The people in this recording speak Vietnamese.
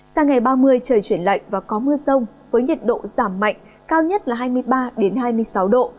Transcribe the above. sao ngày ba mươi trời chuyển lạnh và có mưa rong với nhiệt độ giảm mạnh cao nhất là hai mươi ba đến hai mươi sáu độ